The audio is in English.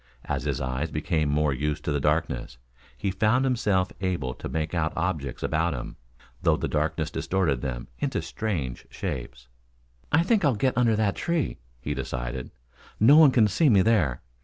As his eyes became more used to the darkness he found himself able to make out objects about him, though the darkness distorted them into strange shapes. "I think I'll get under that tree," he decided. "No one can see me there.